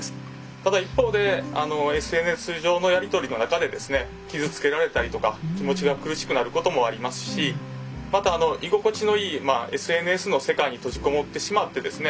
ただ一方でＳＮＳ上のやり取りの中でですね傷つけられたりとか気持ちが苦しくなることもありますしまた居心地のいいＳＮＳの世界に閉じ籠もってしまってですね